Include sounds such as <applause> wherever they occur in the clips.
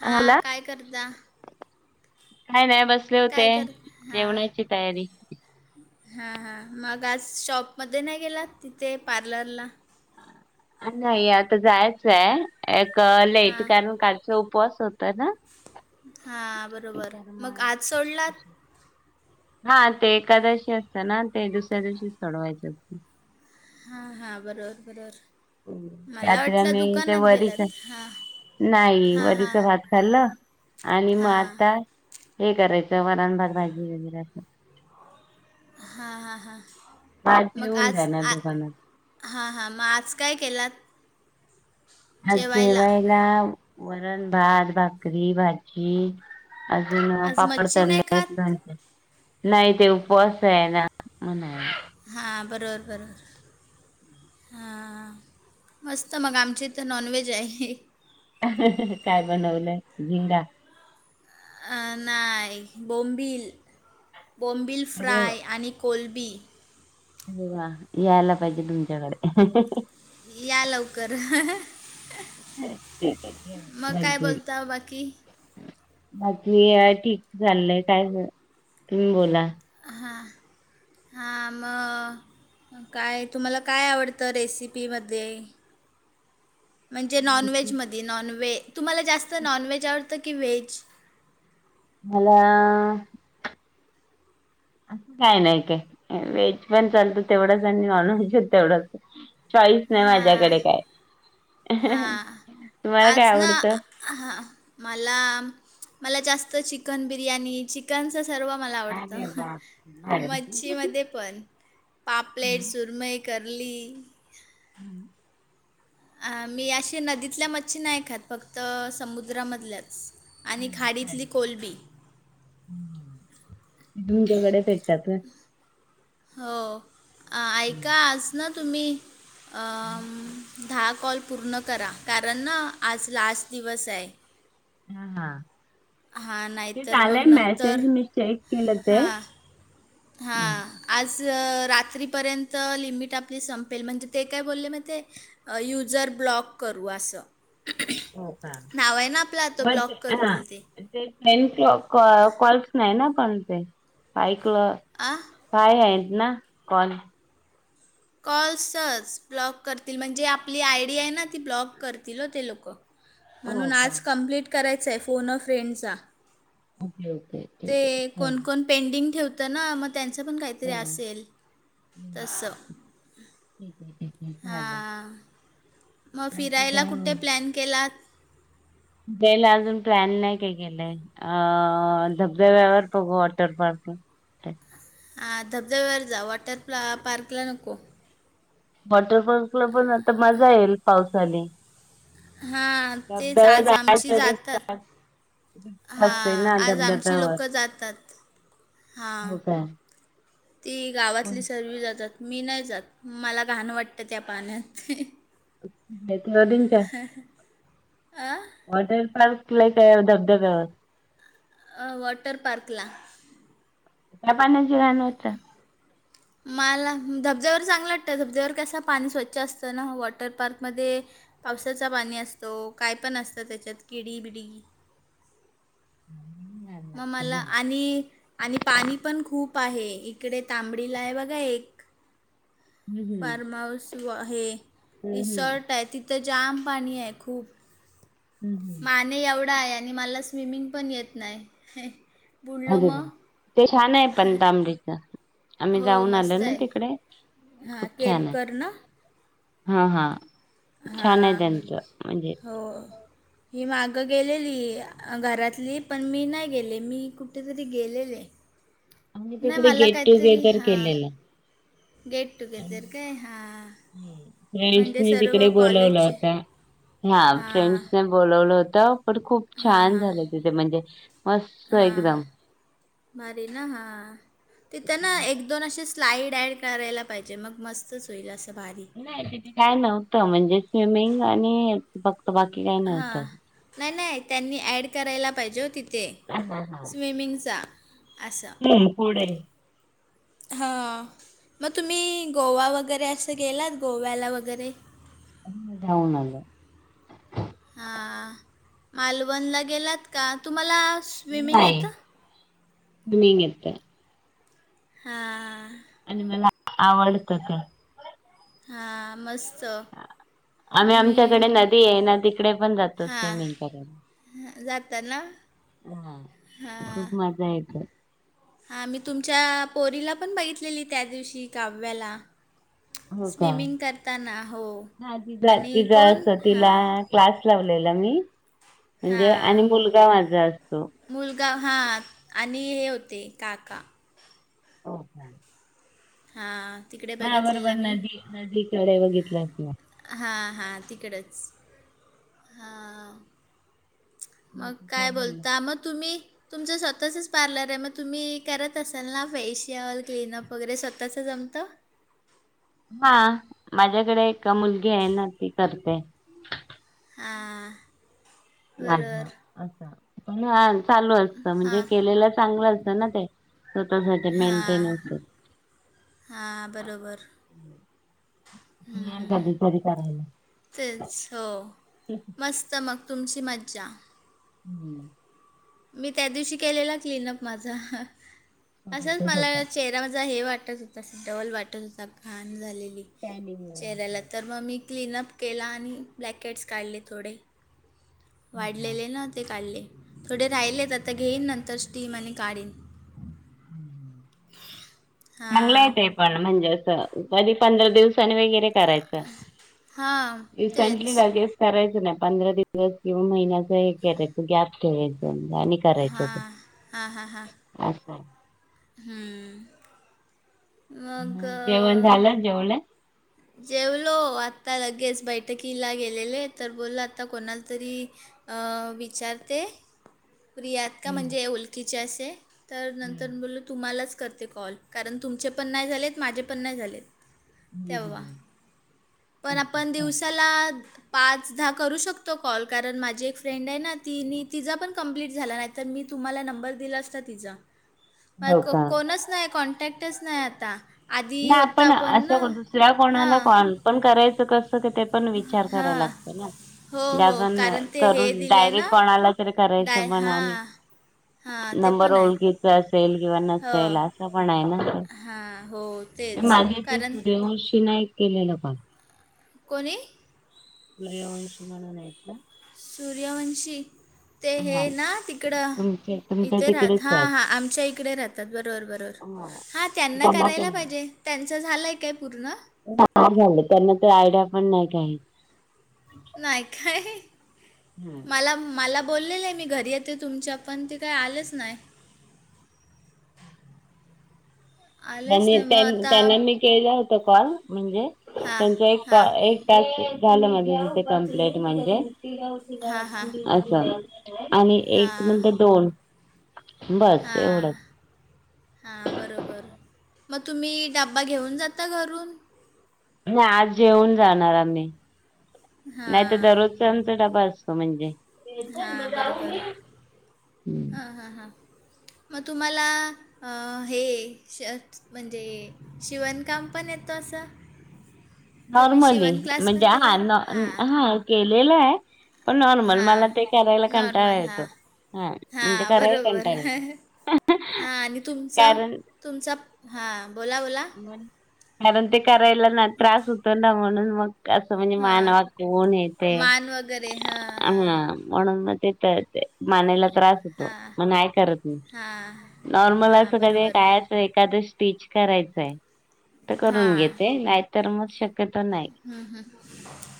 हा हला काय करत्या? काय नाही बसले काय होते. कर हा जेवणाची तयारी. हा हा, मग आज शॉपमध्ये नाही गेलात तीथे पार्लरला? नाही आता जायाचं हाय एक हा लेट कारण कालचा उपवास होत हा बरोबर, मग आज सोडलात? हा ते एकादशी असते ना, ते दुसऱ्या दिवशीच सोडवायची असते. हा हा बरोबर बरोबर. मला रात्री वाटलं दुकानात गेल्यात हा. नाई हा हा वरीचा भात खाल्ला आणि मग हा आत्ता हे करायचं वरण, भात, भाजी वगैरे असं. हा हा हा. चहा मग पिऊन आज जाणार आ दुकानात. हा हा, मग आज काय केलात? आज जेवायला वरण, भात, भाकरी, भाजी. अजून आज पापड मच्छी तळले नाही आहेत, खात लोणचे नाही ते उपवास आहे ना म्हणून. हा बरोबर बरोबर. हां मस्त मग आमच्या इथं नॉनव्हेज आहे. <unintelligible> काय बनवलं झिंगा? अ नाय बोंबील, बोंबील अरे वा, फ्राय आणि कोलबी. अरे वा, यायला पाहिजे तुमच्याकडे. या लवकर. <unintelligible> म काय बाकी बोलताव बाकी? बाकी ठीक चाललंय, काय बरं तुम्ही बोला. हां हां म अ काय‌ तुम्हाला काय आवडतं रेसिपी मध्ये? म्हणजे नॉनव्हेज मध्ये नॉनव्हे तुम्हाला जास्त नॉनव्हेज आवडतं की व्हेज? मला <inaudible> असं काय नाय काय, व्हेजपण चालतं तेवढच आणि नॉनव्हेज पण तेवढंच हाय. चॉईस नाय हां माझ्याकडे काय. <unintelligible> तुम्हाला काय आवडतं? हा हा मला, मला जास्त चिकन बिर्याणी चिकनचच सर्व मला आवडतं. हाडी मच्छीमध्ये पण पापलेट, सुरमई करली हम्म. अ मी अशी नदीतल्या मच्छी नाही खात, फक्त समुद्रा मधल्याच. <unintelligible> भेटतात होय? हो आ ऐका आज ना तुम्ही अं दहा कॉल पूर्ण करा, कारण ना आज लास्ट दिवस आहे. हां हां. हां, तेच नाहीतर मग आलंय नंतर मेसेज, मी चेक केलं ते. हां. हां. आज रात्रीपर्यंत लिमिट आपली संपेल, म्हणजे ते काय बोलले माहित आहे अं युजर ब्लॉक करू असं. हो का? <unintelligible> नाव आहे ना आपलं, तो बट ब्लॉक हा करतील ते. टेन क्लॉक कॉल्स नाही ना पण ते, ऐकलं आह काय आहेत ना कॉल. कॉल्सच ब्लॉक करतील, म्हणजे आपली आयडी आहे ना ती ब्लॉक करतील हो ते लोकं. हो म्हणून का आज कम्प्लीट करायचंय, फोन अ फ्रेंडचा. Okay okay. ठीक ते आहे. हम्म. कोणकोण पेंडिंग ठेवतं ना, मग त्यांचंपण काहीतरी हम्म. असेल. हम्म तसं ठीक आहे ठीक आहे चालेल हां. म बाकी फिरायला काय कुठे प्लॅन केलात? फिरायला अजून प्लॅन नाही काय केेलंय. अ धबधब्यावर बघू वॉटर पार्कला. आ धबधब्यावर जा वॉटर <unintelligible> पार्कला नको. वॉटरफॉल्सला पण आता मजा येईल पावसाने. हां तेच धबधब्यावर आज जाणा आमची तरी जातात <inaudible> असते हां ना आज आमची धबधब्यावर लोक जातात हां हो काय <unintelligible> ती गावातली सगळी जातात मी नाही जात मला घाण वाटत त्या पाण्यात त्याला दीना च्या <unintelligible> आ वॉटर पार्क ला काय धबधब्यावर वॉटरपार्कला या पाण्याची घाण नहीत हं माला धबधब्यावर वर चांगलं वाटतं धबधब्यावर कसं पाणी स्वच्छ असतं ना वॉटरपार्कमध्ये पावसाचं पाणी असतो काय पण असतं त्याच्यात किडी बिडी मग मला हम्म आणि आणि पाणी पण खूप आहे इकडे तांबडीला आहे. बघा एक हम्म. फार्महऊस व हे हम्म हम्म. रिसॉर्ट आहे ती ते जाम पाणी आहे खूप हम हम मी एवढा आहे आणि मला स्विमिंग पण येत नाय अरे रे ते छान आहे पण तांबडीच आम्ही हो जाऊन आलो मस्त ना आहे तिकडे हां खूप छान आहे केरकर ना हा हा छान हा... आहे त्यांचं म्हणजे हो ही मागं गेलेली घरातली पण मी नाही गेले मी कुठेतरी गेलेले. आम्ही नाही तिकडे मला गेट काहीतरी टुगेदर हा केलेलं. गेट टुगेदर काय हा फ्रेंडसनी तिकडे बोलवला होता हा हां फ्रेंडसने बोलवलं होत पण खूप छान झालं तिथे म्हणजे मस्त हा एकदम. मारी ना हा तिथं ना एक दोन असे स्लाईड ॲड करायला पाहिजे मग मस्तच होईल असं भारी काय नव्हतं म्हणजे स्विमिंग आणि फक्त बाकी काय नव्हतंच. नाय नाय त्यांनी ॲड करायला पाहिजे हो तिथे हा हा हा स्विमिंगचा असं... हम्म पुढे हा मग तुम्ही गोवा वगैरे असं गेलात गोव्याला वगैरे हो जाऊन आलो हा मालवणला गेलात का तुम्हाला स्विमिंग नाय येतं मी इतर हा.. आणि मला आवडतंत हा मस्त आम्ही मी आमच्याकडे नदी आहे नदी कडे पण जातो स्विमिंग करायला. ह जाताना. हा खूप मज्जा येते. हा मी तुमच्या पोरीला पण बघितलेली त्या दिवशी कावव्याला हो का? स्विमिंग करताना हो हा तिचा आणि तिचा कोण असतो हा तिला क्लास लावलेला मी म्हणजे आणि हां मुलगा माझा असतो. मुलगा हा आणि हे होते काका हो चालतंय. हा तिकडे बरोबर बघितलेला मी नदी नदीकडे बघितलंस ना. हा हा तिकडंच हा मग बाकी काय बोलला. बोलता, मग तुम्ही तुमचं स्वतःचच पार्लर आहे, मग तुम्ही करत असाल ना फेशियल, क्लीनअप वगैरे स्वतःच जमतं? हा माझ्याकडे एक मुलगी आहे ना ती करते. हा. <unintelligible> अस पण चालू असत म्हणजे केलेलं चांगलं असतं ना ते. स्वतःसाठी हा मेंटेनन्स हा बरोबर. हम्म हम्म हम्म. कधीतरी करायला. तेच हो मस्त मग. तुमची मज्जा. हम्म. मी त्यादिवशी केलेला क्लीनअप माझा. असंच स्वतःच मला स्वतः चेहरा माझा हे वाटत होता डल वाटत होता घाण झालेली. टॅनिंग चेहऱ्याला तर <unintelligible> मग मी क्लीनअप केला आणि ब्लॅकेट्स काढले थोडे वाढलेले ना. ते काढले. थोडे राहिलेत आता घेईन नंतर स्टीम आणि काढीन. हम्म मंगला हां येते. पण म्हणजे अस कधी पंधरा दिवसांनी वगैरे ते करायचं. हां इसेंटली तेच जागेत करायचं नाही. पंधरा दिवस किंवा महिन्याच हे करायचं गॅप ठेवायचं. दोनदा आणि हा हा हा हा. अच्छा. हम्म. जेवण अं, झालं जेवलं? जेवलो आत्ता लगेच. बैठकीला गेलेले तर बोल आता कोणाला तरी अं विचारते. फ्री आहात का हम्म म्हणजे ओलकीचे असे, तर नंतर हम्म बोलू तुम्हालाच करते कॉल. कारण तुमचे पण नाही झालेत, माझे पण नाही झालेत. हम्म तेव्हा, हम्म ‌पण आपण अच्छा, अच्छा. दिवसाला पाच दहा करू शकतो कॉल. कारण माझी एक फ्रेंड आहे ना, तीनी तिचा पण कंप्लीट झाला नाही. तर मी तुम्हाला नंबर दिला असता तिचा. हो का को-कोणच नाही कॉन्टॅक्टच नाही आता. आधी नाही होता आपण पण ना असं दुसऱ्या कोणाला हां कॉल पण करायचं कसं ते पण विचार करायला हां लागतं ना. हो म्हणजे हो अजून कारण ते हे करून दिलंय ना डायरेक्ट कोणाला तरी डाय करायचं. मनाने हां हां ते नंबर पण आहे ओळखीचा असेल किंवा नसेल असं पण आहे ना ते. हा हो‌ माझे ते सूर्यवंशींना एक केलेला कॉल. कोणी? सूर्यवंशी म्हणून आहेत ना सूर्यवंशी ते हे ना तिकडं तुमचे तुमच्या इथे राहत तिकडेच हां आहेत. हां आमच्या इकडे राहतात बरोबर बरोबर. हा त्यांना करायला पाहिजे. त्यांच झालंय काय पूर्ण? <unintelligible> झालंय त्यांना ते आयडिया पण नाही काही. नाही काय हम्म मला मला बोललेले मी घरी येते तुमच्या, पण ते काय आलेच नाही. <inaudible> आलंच त्यांनी नाही मग आता त्यांना मी केलं होत कॉल म्हणजे हां त्यांचा एक कॉ हां एक झालं ना दीदीचं कम्प्लीट म्हणजे? हां हां असं. आणि एक हां नंतर दोन. बस हां. एवढंच हां बरोबर मग तुम्ही डबा घेऊन जाता घरून? नाही आज जेऊन जाणार आम्ही. नाही तर हां दररोज त्यांचा डब्बा असतो म्हणजे. हा बरोबर हम्म हा हा हा. मग तुम्हाला हे श म्हणजे शिवणकाम पण येतो असं? तुम्ही नॉर्मल शिवण क्लास आहे. पण हा केलात न हां हा केलेलं आहे. पण नॉर्मल हां मला ते करायला कंटाळा नॉर्मल येतो. हां हा म्हणजे हां करायला बरोबर कंटाळा येतो हां आणि तुमचं कारण तुमचा हा बोला बोला. कारण ते करायला ना त्रास होतो ना म्हणून मग कसं म्हणजे मान हां वाकवून हे ते मान वगैरे हां हां म्हणून मग ते तर मानेला त्रास हां मग नाही करत मी. हां नॉर्मल हां असं कधी बरोबर काय? एखाद स्टीच करायचंय तर करून हां घेते नाही तर मग शक्यतो नाही. ह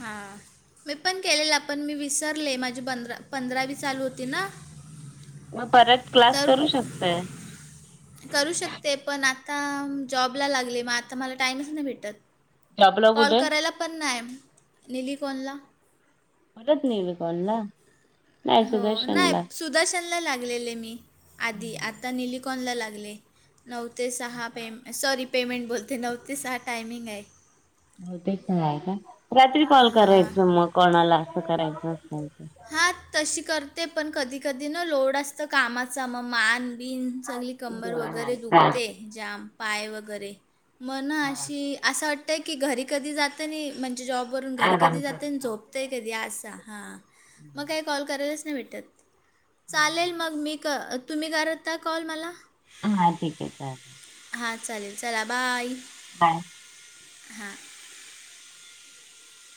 हां. मी पण केलेलं पण मी विसरले. माझी पंधरा पंधरावी चालू होती ना. मग परत क्लास तर करू शकतेय. करू शकते पण आता जॉबला लागले मग आता मला टाईमच नाही भेटत. जॉबला कॉल कुठे करायला पण नाही निली कोणला? <unintelligible> नाही हो नाही सुदर्शनला सुदर्शनला लागलेले मी आधी. आता निलिकॉनला लागले. नऊ ते सहा पेम सॉरी पेमेंट बोलते नऊ ते सहा टायमिंग आहे. हो तेच कय का रात्री कॉल हां करायचं मग कोणाला असं करायचं असल तर. हा तशी करते पण कधी कधी ना लोड असतं कामाचा मग मान बिन सगळी कंबर हा वगैरे दुखते जाम पाय वगैरे. मन हा अशी असं वाटतंय की घरी कधी जातं नि म्हणजे जॉबवरून घरी आराम कधी कर. जातं आणि झोप कधी असा हां मग काही कॉल करायलाच नाही भेटत. चालेल मग मी तुम्ही करतता कॉल मला? हा ठीक आहे चालेल. हा चालेल चला बाय. बाय. हा.